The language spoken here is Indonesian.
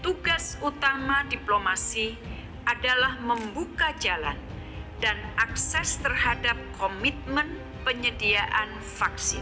tugas utama diplomasi adalah membuka jalan dan akses terhadap komitmen penyediaan vaksin